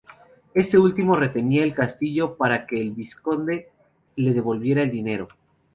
Este último retenía el castillo para que el vizconde le devolviera el dinero.